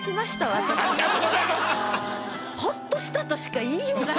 ありがとうございます。